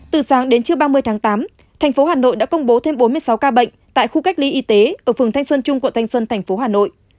từ sáng đến trưa ba mươi tháng tám thành phố hà nội đã công bố thêm bốn mươi sáu ca bệnh tại khu cách ly y tế ở phường thanh xuân trung quận thanh xuân tp hà nội